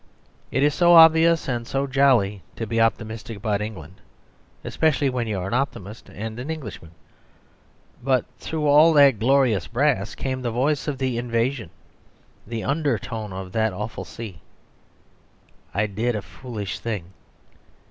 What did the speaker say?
It is so obvious and so jolly to be optimistic about England, especially when you are an optimist and an Englishman. But through all that glorious brass came the voice of the invasion, the undertone of that awful sea. I did a foolish thing.